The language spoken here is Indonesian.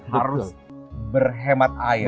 harus berhemat air